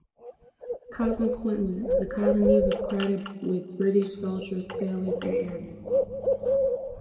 Consequently, the colony was crowded with British soldiers, sailors and airmen.